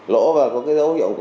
lỗ và có cái dấu hiệu